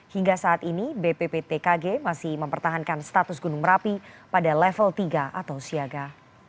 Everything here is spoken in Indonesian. hingga saat ini bpptkg masih mempertahankan status gunung merapi pada level tiga atau siaga